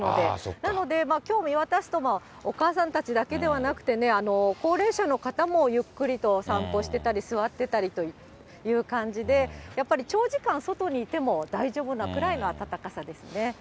なので、きょう見渡すと、お母さんたちだけではなくてね、高齢者の方もゆっくりと散歩してたり、座ってたりという感じで、やっぱり長時間、外にいても大丈夫なくらいの暖かさですね。